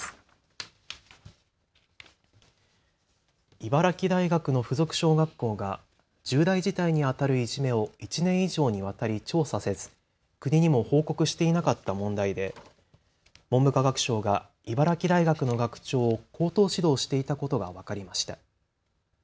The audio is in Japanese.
茨城大学の附属小学校が重大事態にあたるいじめを１年以上にわたり調査せず国にも報告していなかった問題で文部科学省が茨城大学の学長を口頭指導していたことが分かりました。